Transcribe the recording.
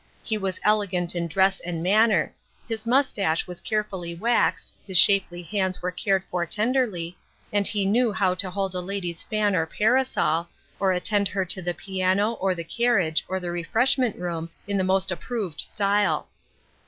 He was elegant in dress and manner ; his mustache was carefully waxed, his shapely hands were cared for tenderly, and he knew how to hold a lady's fan or parasol, or attend her to the piano, or the carriage, or the refreshment room in the most approved style.